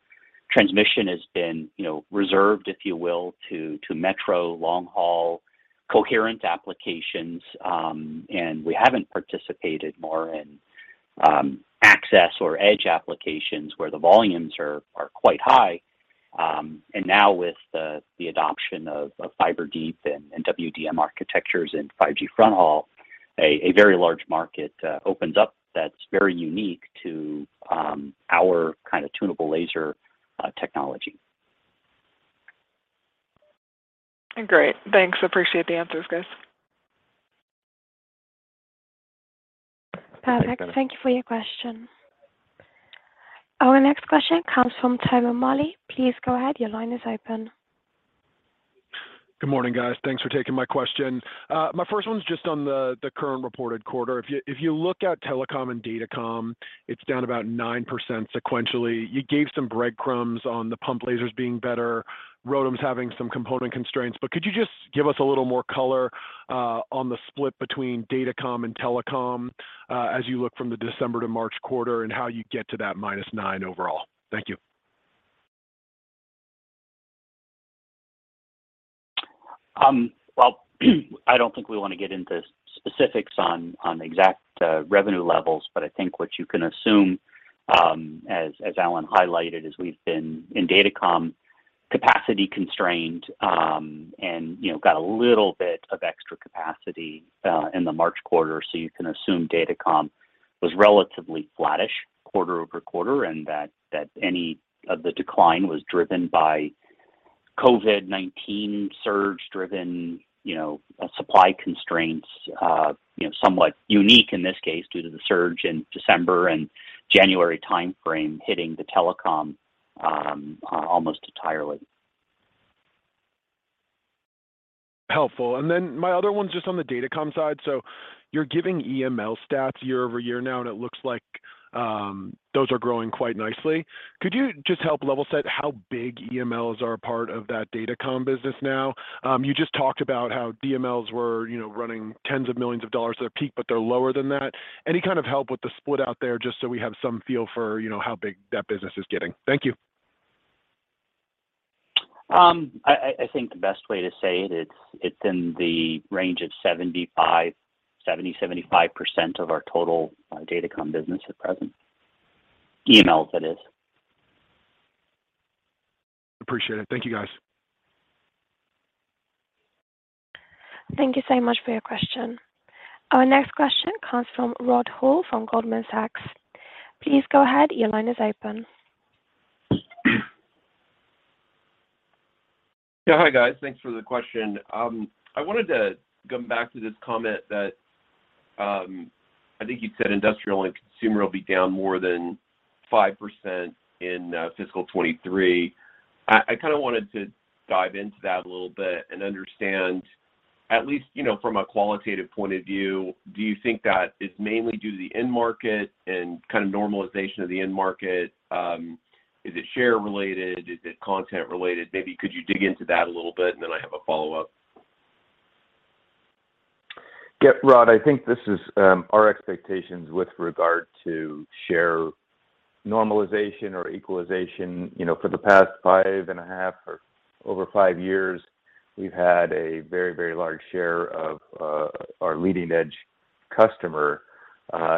transmission has been, you know, reserved, if you will, to metro long haul coherent applications. We haven't participated more in access or edge applications where the volumes are quite high. Now with the adoption of fiber deep and WDM architectures and 5G front haul, a very large market opens up that's very unique to our kind of tunable laser technology. Great. Thanks. Appreciate the answers, guys. Perfect. Thank you for your question. Our next question comes from Tom O'Malley. Please go ahead. Your line is open. Good morning, guys. Thanks for taking my question. My first one's just on the current reported quarter. If you look at telecom and datacom, it's down about 9% sequentially. You gave some breadcrumbs on the pump lasers being better, ROADMs having some component constraints, but could you just give us a little more color on the split between datacom and telecom as you look from the December to March quarter and how you get to that -9% overall? Thank you. Well, I don't think we want to get into specifics on exact revenue levels, but I think what you can assume, as Alan highlighted, is we've been in datacom capacity constrained, and you know, got a little bit of extra capacity in the March quarter. You can assume datacom was relatively flattish quarter-over-quarter, and that any of the decline was driven by COVID-19 surge-driven, you know, supply constraints, you know, somewhat unique in this case due to the surge in December and January timeframe hitting the telecom almost entirely. Helpful. Then my other one's just on the datacom side. You're giving EML stats year-over-year now, and it looks like those are growing quite nicely. Could you just help level set how big EMLs are a part of that datacom business now? You just talked about how DMLs were, you know, running tens of millions of dollars at their peak, but they're lower than that. Any kind of help with the split out there, just so we have some feel for, you know, how big that business is getting. Thank you. I think the best way to say it's in the range of 70%-75% of our total Datacom business at present. EMLs, that is. Appreciate it. Thank you, guys. Thank you so much for your question. Our next question comes from Rod Hall from Goldman Sachs. Please go ahead. Your line is open. Yeah. Hi, guys. Thanks for the question. I wanted to come back to this comment that I think you said industrial and consumer will be down more than 5% in fiscal 2023. I kinda wanted to dive into that a little bit and understand at least, you know, from a qualitative point of view, do you think that it's mainly due to the end market and kind of normalization of the end market? Is it share related? Is it content related? Maybe could you dig into that a little bit? Then I have a follow-up. Yeah. Rod, I think this is our expectations with regard to share normalization or equalization. You know, for the past five and a half or over five years, we've had a very, very large share of our leading edge customer,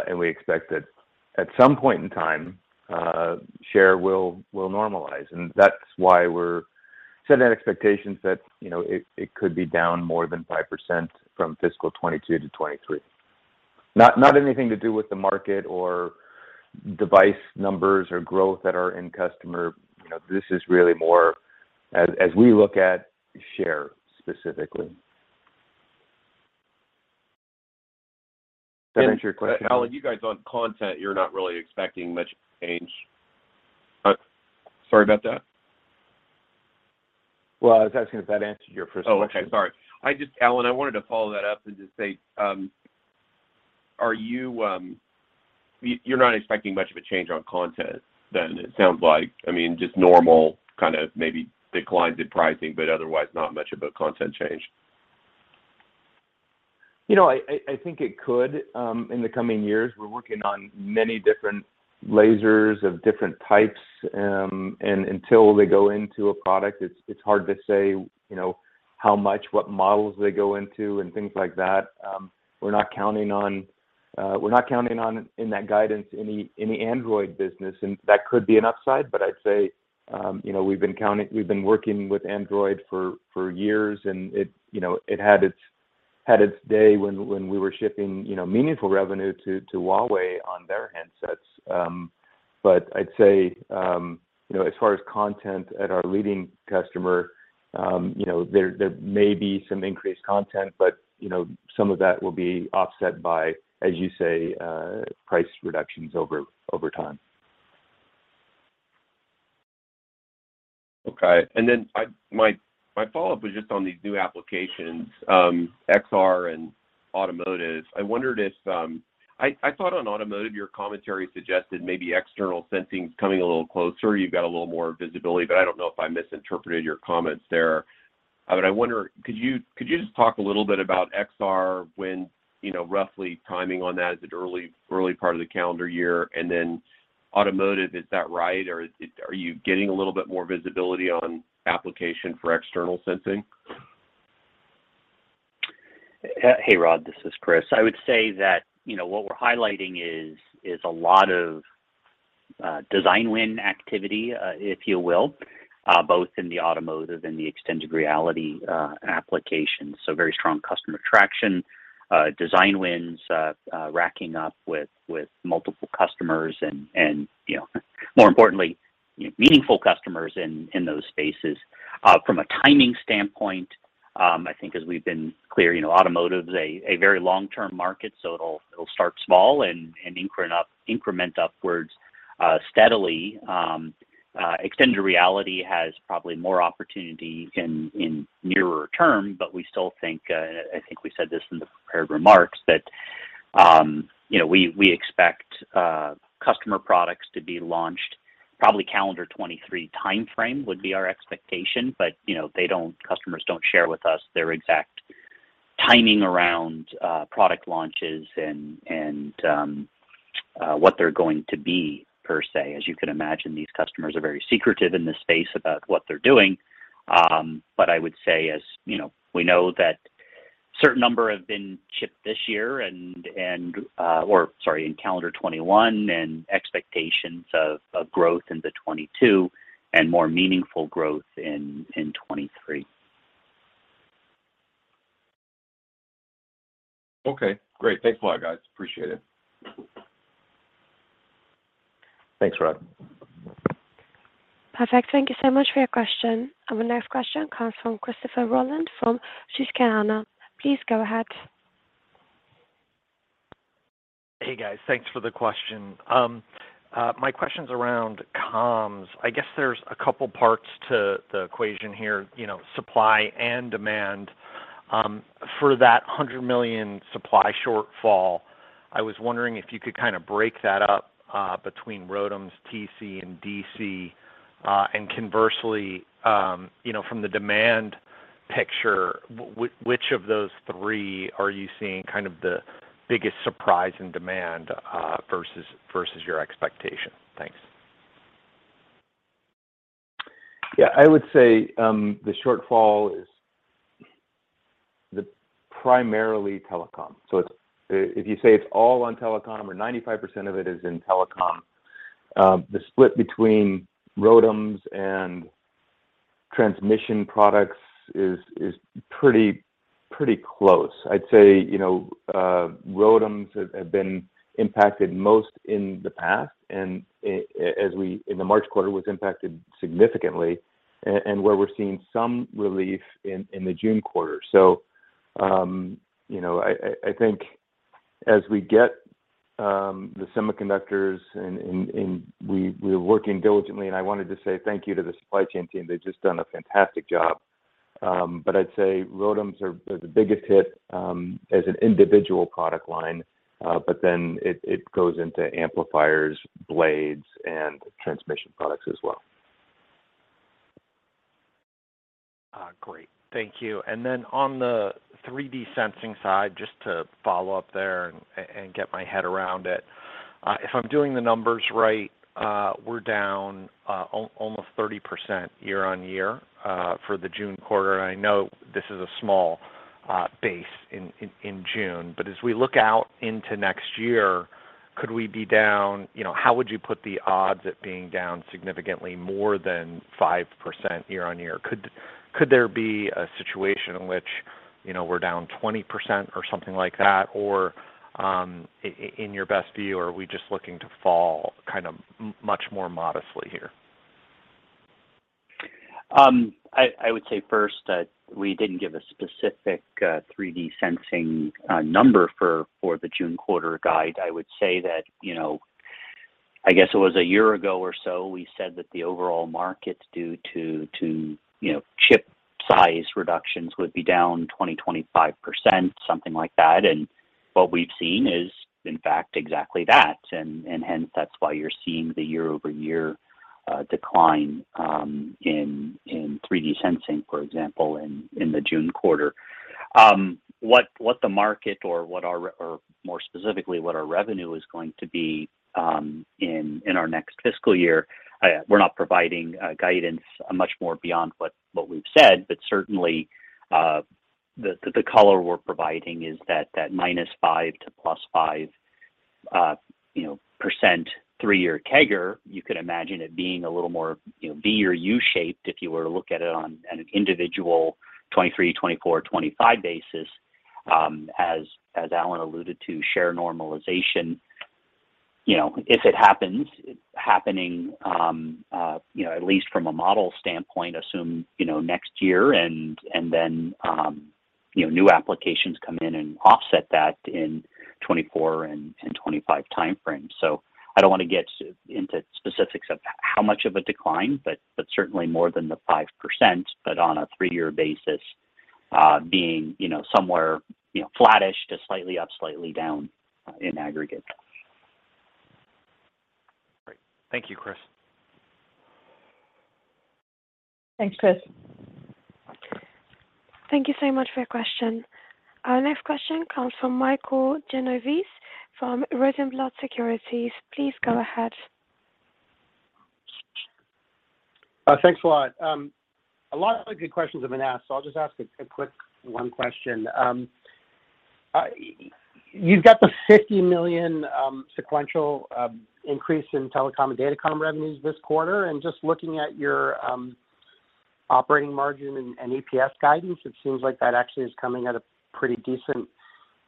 and we expect that at some point in time, share will normalize. That's why we're setting expectations that, you know, it could be down more than 5% from fiscal 2022-2023. Not anything to do with the market or device numbers or growth at our end customer. You know, this is really more as we look at share specifically. Does that answer your question? Alan, you guys on content, you're not really expecting much change. Sorry about that. Well, I was asking if that answered your first question. Oh, okay. Sorry. I just, Alan, I wanted to follow that up and just say, you're not expecting much of a change on content then, it sounds like. I mean, just normal kind of maybe declines in pricing, but otherwise not much of a content change. You know, I think it could in the coming years. We're working on many different lasers of different types, and until they go into a product, it's hard to say, you know, how much, what models they go into and things like that. We're not counting on, in that guidance, any Android business, and that could be an upside. I'd say, you know, we've been working with Android for years, and it, you know, it had its day when we were shipping, you know, meaningful revenue to Huawei on their handsets. I'd say, you know, as far as content at our leading customer, you know, there may be some increased content, but, you know, some of that will be offset by, as you say, price reductions over time. Okay. My follow-up was just on these new applications, XR and automotive. I wondered if I thought on automotive, your commentary suggested maybe external sensing's coming a little closer. You've got a little more visibility, but I don't know if I misinterpreted your comments there. I wonder, could you just talk a little bit about XR when, you know, roughly timing on that? Is it early part of the calendar year? Automotive, is that right or are you getting a little bit more visibility on application for external sensing? Hey, Rod, this is Chris. I would say that, you know, what we're highlighting is a lot of design win activity, if you will, both in the automotive and the extended reality applications. Very strong customer traction, design wins racking up with multiple customers and, you know, more importantly, meaningful customers in those spaces. From a timing standpoint, I think as we've been clear, you know, automotive is a very long-term market, so it'll start small and increment upwards steadily. Extended reality has probably more opportunity in nearer term, but we still think, I think we said this in the prepared remarks that, you know, we expect customer products to be launched probably calendar 2023 timeframe would be our expectation. You know, customers don't share with us their exact timing around product launches and what they're going to be per se. As you can imagine, these customers are very secretive in this space about what they're doing. I would say, you know, we know that certain number have been shipped in calendar 2021 and expectations of growth into 2022 and more meaningful growth in 2023. Okay, great. Thanks a lot, guys. Appreciate it. Thanks, Rod. Perfect. Thank you so much for your question. Our next question comes from Christopher Rolland from Susquehanna. Please go ahead. Hey guys, thanks for the question. My question's around comms. I guess there's a couple parts to the equation here, you know, supply and demand. For that $100 million supply shortfall, I was wondering if you could kind of break that up between ROADMs, telecom, and datacom. Conversely, you know, from the demand picture, which of those three are you seeing kind of the biggest surprise in demand versus your expectation? Thanks. Yeah. I would say the shortfall is primarily telecom. If you say it's all on telecom or 95% of it is in telecom, the split between ROADMs and transmission products is pretty close. I'd say, you know, ROADMs have been impacted most in the past, and in the March quarter was impacted significantly and where we're seeing some relief in the June quarter. You know, I think as we get the semiconductors and we're working diligently, and I wanted to say thank you to the supply chain team, they've just done a fantastic job. ROADMs are the biggest hit as an individual product line, but then it goes into amplifiers, blades, and transmission products as well. Great. Thank you. On the 3D sensing side, just to follow up there and get my head around it. If I'm doing the numbers right, we're down almost 30% year-over-year for the June quarter. I know this is a small base in June, but as we look out into next year, could we be down? You know, how would you put the odds at being down significantly more than 5% year-over-year? Could there be a situation in which, you know, we're down 20% or something like that? Or, in your best view, are we just looking to fall kind of much more modestly here? I would say first that we didn't give a specific 3D sensing number for the June quarter guide. I would say that, you know, I guess it was a year ago or so, we said that the overall market due to, you know, chip size reductions would be down 20%-25%, something like that. Hence that's why you're seeing the year-over-year decline in 3D sensing, for example, in the June quarter. What the market or what our Or more specifically, what our revenue is going to be in our next fiscal year, we're not providing guidance much more beyond what we've said, but certainly the color we're providing is that -5% to +5%, you know, three-year CAGR. You could imagine it being a little more, you know, V- or U-shaped if you were to look at it on an individual 2023, 2024, 2025 basis. As Alan alluded to, share normalization, you know, if it happens at least from a model standpoint, assume, you know, next year and then new applications come in and offset that in 2024 and 2025 time frames. I don't wanna get into specifics of how much of a decline, but certainly more than the 5%. On a three-year basis, you know, somewhere you know flattish to slightly up, slightly down in aggregate. Great. Thank you, Chris. Thanks, Chris. Thank you so much for your question. Our next question comes from Mike Genovese from Rosenblatt Securities. Please go ahead. Thanks a lot. A lot of the good questions have been asked, so I'll just ask a quick one question. You've got the $50 million sequential increase in telecom and datacom revenues this quarter. Just looking at your operating margin and EPS guidance, it seems like that actually is coming at a pretty decent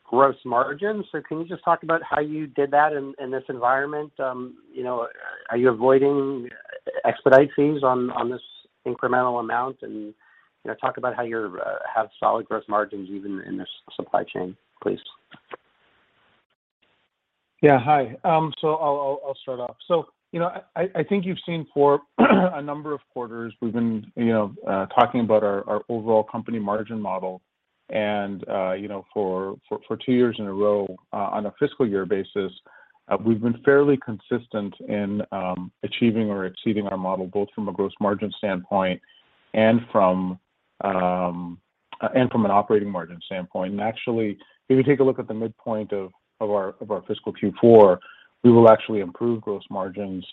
gross margin. Can you just talk about how you did that in this environment? You know, are you avoiding expedite fees on this incremental amount? You know, talk about how you're have solid gross margins even in this supply chain, please. Yeah. Hi. I'll start off. You know, I think you've seen, for a number of quarters, we've been, you know, talking about our overall company margin model. You know, for two years in a row, on a fiscal year basis, we've been fairly consistent in achieving or exceeding our model, both from a gross margin standpoint and from an operating margin standpoint. Actually, if you take a look at the midpoint of our fiscal Q4, we will actually improve gross margins,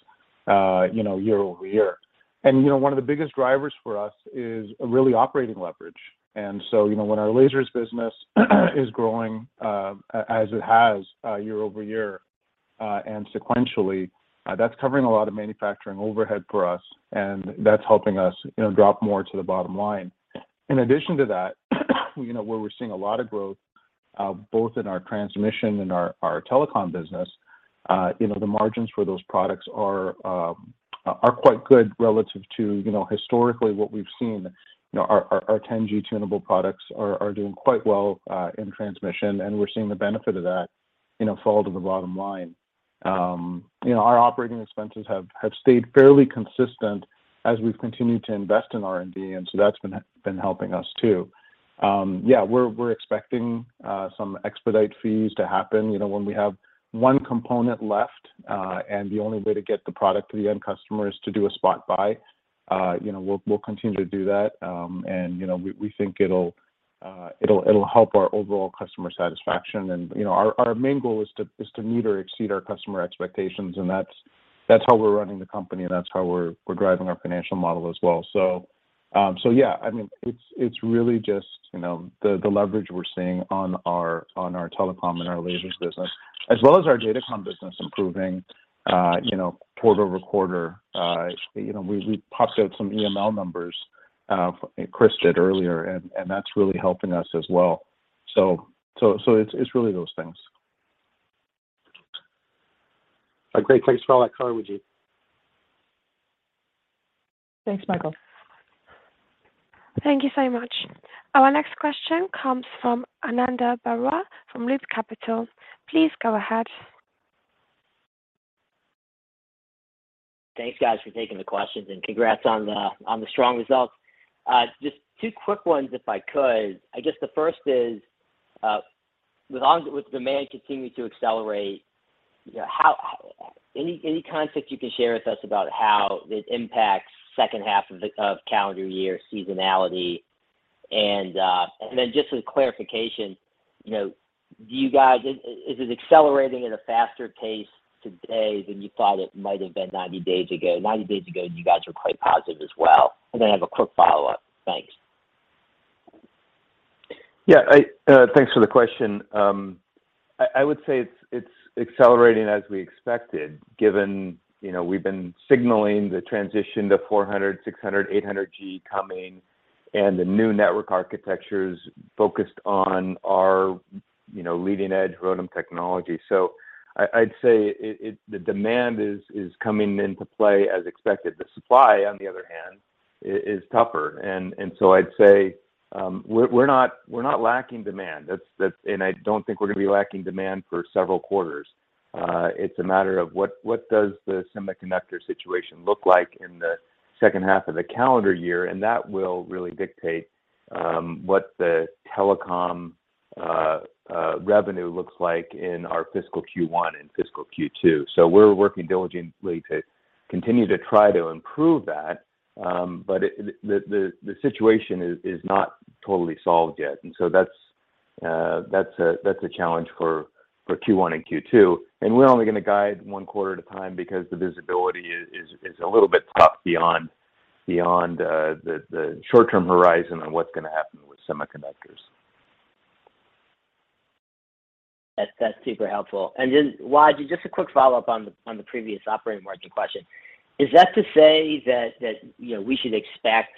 you know, year-over-year. You know, one of the biggest drivers for us is really operating leverage. You know, when our lasers business is growing, as it has year-over-year and sequentially, that's covering a lot of manufacturing overhead for us, and that's helping us, you know, drop more to the bottom line. In addition to that, you know, where we're seeing a lot of growth, both in our transmission and our telecom business. You know, the margins for those products are quite good relative to, you know, historically what we've seen. You know, our 10G tunable products are doing quite well in transmission, and we're seeing the benefit of that, you know, fall to the bottom line. You know, our operating expenses have stayed fairly consistent as we've continued to invest in R&D, and so that's been helping us too. Yeah, we're expecting some expedite fees to happen. You know, when we have one component left and the only way to get the product to the end customer is to do a spot buy, you know, we'll continue to do that. You know, we think it'll help our overall customer satisfaction. You know, our main goal is to meet or exceed our customer expectations, and that's how we're running the company, and that's how we're driving our financial model as well. Yeah, I mean, it's really just you know, the leverage we're seeing on our telecom and our lasers business, as well as our datacom business improving, you know, quarter-over-quarter. You know, we popped out some EML numbers, Chris Coldren did earlier, and that's really helping us as well. It's really those things. A great place for all that color, Wajid Ali. Thanks, Michael. Thank you so much. Our next question comes from Ananda Baruah from Loop Capital. Please go ahead. Thanks, guys, for taking the questions, and congrats on the strong results. Just two quick ones if I could. I guess the first is, with demand continuing to accelerate, you know, any context you can share with us about how this impacts second half of the calendar year seasonality? And then just some clarification, you know, is it accelerating at a faster pace today than you thought it might have been 90 days ago? 90 days ago, you guys were quite positive as well. And then I have a quick follow-up. Thanks. Yeah. Thanks for the question. I would say it's accelerating as we expected, given, you know, we've been signaling the transition to 400, 600, 800 G coming and the new network architectures focused on our, you know, leading edge ROADM technology. I'd say the demand is coming into play as expected. The supply, on the other hand, is tougher. I'd say we're not lacking demand. I don't think we're gonna be lacking demand for several quarters. It's a matter of what the semiconductor situation looks like in the second half of the calendar year. That will really dictate what the telecom revenue looks like in our fiscal Q1 and fiscal Q2. We're working diligently to continue to try to improve that, but the situation is not totally solved yet. That's a challenge for Q1 and Q2. We're only gonna guide one quarter at a time because the visibility is a little bit tough beyond the short-term horizon on what's gonna happen with semiconductors. That's super helpful. Then Wajid, just a quick follow-up on the previous operating margin question. Is that to say that you know, we should expect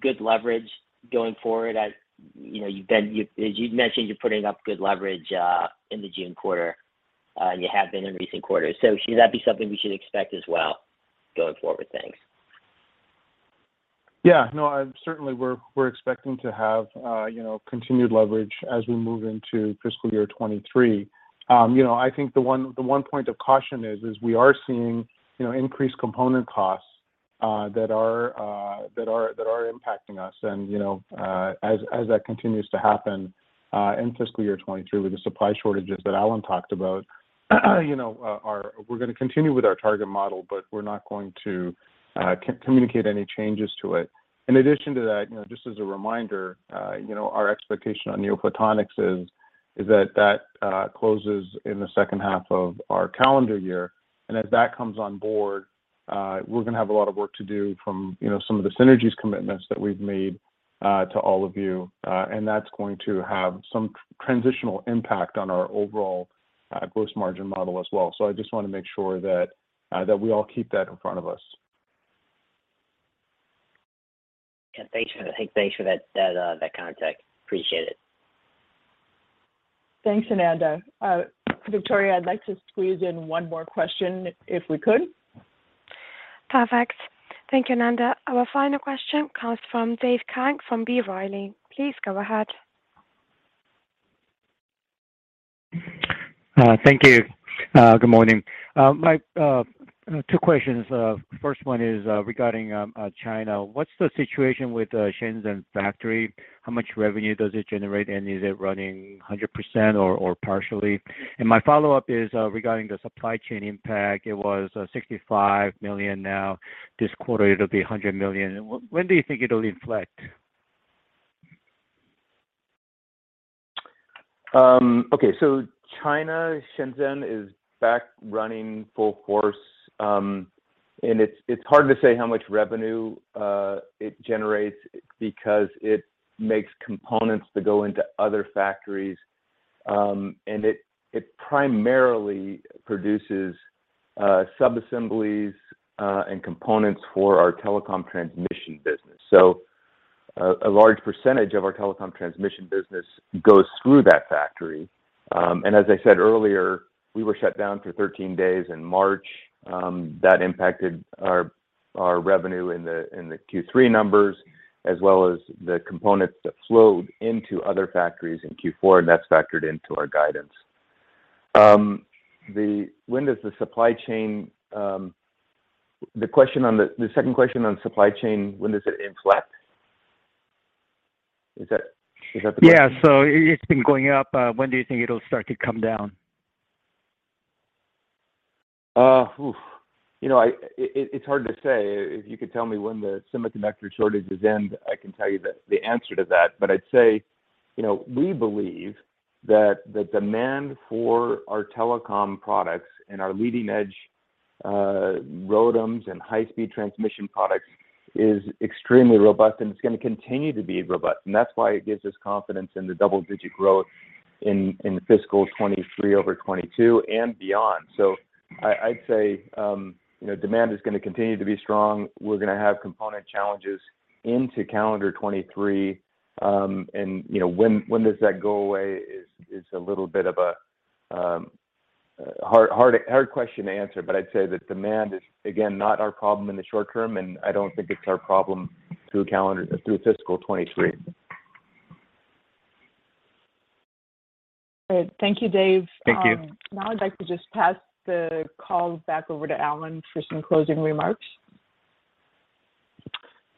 good leverage going forward as you know, as you'd mentioned, you're putting up good leverage in the June quarter and you have been in recent quarters. Should that be something we should expect as well going forward? Thanks. Yeah. No, certainly we're expecting to have, you know, continued leverage as we move into fiscal year 2023. You know, I think the one point of caution is we are seeing, you know, increased component costs that are impacting us. You know, as that continues to happen, in fiscal year 2023 with the supply shortages that Alan talked about, you know, we're gonna continue with our target model, but we're not going to communicate any changes to it. In addition to that, you know, just as a reminder, you know, our expectation on NeoPhotonics is that it closes in the second half of our calendar year. As that comes on board, we're gonna have a lot of work to do from, you know, some of the synergies commitments that we've made to all of you. That's going to have some transitional impact on our overall gross margin model as well. I just wanna make sure that that we all keep that in front of us. Yeah. Thanks for that context. Appreciate it. Thanks, Ananda. Victoria, I'd like to squeeze in one more question if we could. Perfect. Thank you, Ananda. Our final question comes from Dave Kang from B. Riley. Please go ahead. Thank you. Good morning. My two questions. First one is regarding China. What's the situation with the Shenzhen factory? How much revenue does it generate, and is it running 100% or partially? My follow-up is regarding the supply chain impact. It was $65 million now. This quarter it'll be $100 million. When do you think it'll inflect? Okay. China, Shenzhen is back running full force. It's hard to say how much revenue it generates because it makes components that go into other factories. It primarily produces sub-assemblies and components for our telecom transmission business. A large percentage of our telecom transmission business goes through that factory. As I said earlier, we were shut down for 13 days in March. That impacted our revenue in the Q3 numbers, as well as the components that flowed into other factories in Q4, and that's factored into our guidance. When does the supply chain inflect? The second question on supply chain, when does it inflect? Is that the question? Yeah. It's been going up. When do you think it'll start to come down? It's hard to say. If you could tell me when the semiconductor shortages end, I can tell you the answer to that. I'd say, you know, we believe that the demand for our telecom products and our leading-edge ROADMs and high-speed transmission products is extremely robust, and it's gonna continue to be robust. That's why it gives us confidence in the double-digit growth in fiscal 2023/2022 and beyond. I'd say, you know, demand is gonna continue to be strong. We're gonna have component challenges into calendar 2023. You know, when does that go away is a little bit of a hard question to answer. I'd say that demand is, again, not our problem in the short term, and I don't think it's our problem through fiscal 2023. All right. Thank you, Dave. Thank you. Now I'd like to just pass the call back over to Alan for some closing remarks.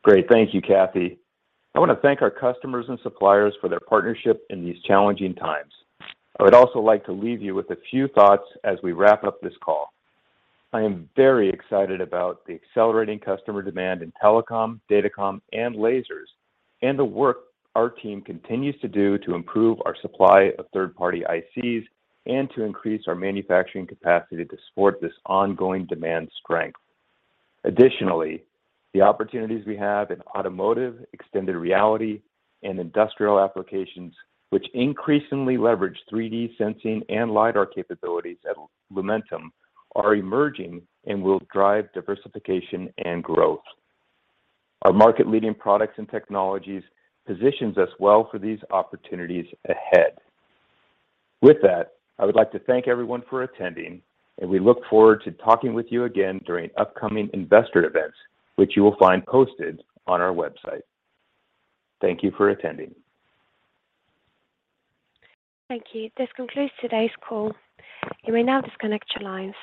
Great. Thank you, Kathy. I wanna thank our customers and suppliers for their partnership in these challenging times. I would also like to leave you with a few thoughts as we wrap up this call. I am very excited about the accelerating customer demand in telecom, datacom, and lasers, and the work our team continues to do to improve our supply of third-party ICs and to increase our manufacturing capacity to support this ongoing demand strength. Additionally, the opportunities we have in automotive, extended reality, and industrial applications, which increasingly leverage 3D sensing and LiDAR capabilities at Lumentum, are emerging and will drive diversification and growth. Our market-leading products and technologies positions us well for these opportunities ahead. With that, I would like to thank everyone for attending, and we look forward to talking with you again during upcoming investor events, which you will find posted on our website. Thank you for attending. Thank you. This concludes today's call. You may now disconnect your lines.